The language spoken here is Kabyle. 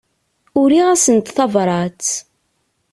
Uriɣ-asent tabrat.